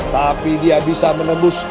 tapi dia bisa menembus